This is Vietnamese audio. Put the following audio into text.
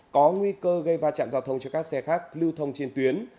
có nguy cơ gây va chạm giao thông cho các xe khác lưu thông trên tuyến